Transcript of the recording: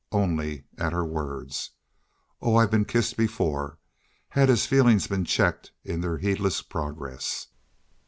Only at her words, "Oh, I've been kissed before," had his feelings been checked in their heedless progress.